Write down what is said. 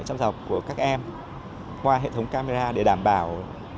trong học của các em qua hệ thống camera để đảm bảo